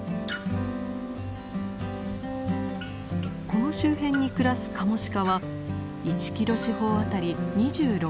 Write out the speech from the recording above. この周辺に暮らすカモシカは１キロ四方当たり２６頭。